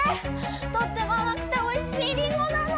とってもあまくておいしいリンゴなの！